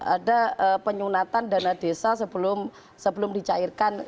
ada penyunatan dana desa sebelum dicairkan